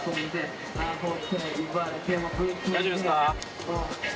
大丈夫ですか。